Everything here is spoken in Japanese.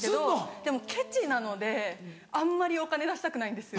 でもケチなのであんまりお金出したくないんですよ。